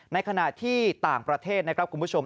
ในขณะที่ต่างประเทศนะครับคุณผู้ชม